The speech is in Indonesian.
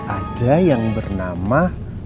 ada yang bernama